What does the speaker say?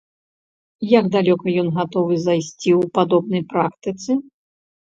Як далёка ён гатовы зайсці ў падобнай практыцы?